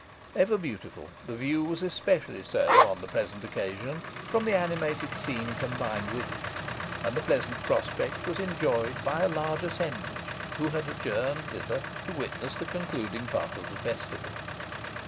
Ever beautiful, the view was especially so on the present occasion, from the animated scene combined with it; and the pleasant prospect was enjoyed by a large assemblage, who had adjourned thither to witness the concluding part of the festival.